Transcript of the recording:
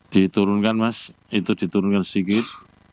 diturunkan mas itu diturunkan sedikit